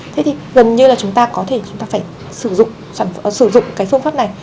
thế thì gần như là chúng ta có thể phải sử dụng cái phương pháp này